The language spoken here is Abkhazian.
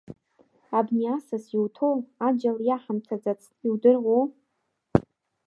Абни асас иуҭау аџьал иаҳамҭаӡацт, иудыруоу?